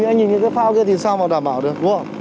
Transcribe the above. anh nhìn cái phao kia thì sao mà đảm bảo được đúng không